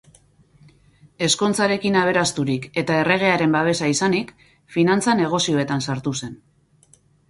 Ezkontzarekin aberasturik eta erregearen babesa izanik, finantza-negozioetan sartu zen.